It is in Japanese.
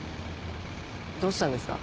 どうしたんですか？